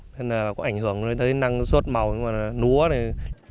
nên là có ảnh hưởng tới năng suất màu của lúa này